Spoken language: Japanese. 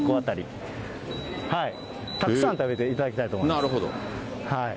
たくさん食べていただきたいと思います。